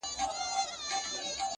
ویل کيږي چي کارګه ډېر زیات هوښیار دی!!